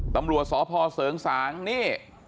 ตำรวจสพเสริงสางนี่